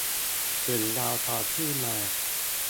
ถึงเราจองที่นั่งมา